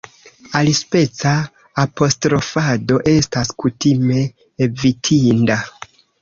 Alispeca apostrofado estas kutime evitinda.